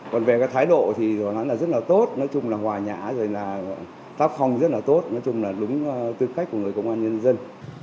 còn về cái thái độ thì rất là tốt nói chung là hòa nhã tác phong rất là tốt nói chung là đúng tư cách của người công an nhân dân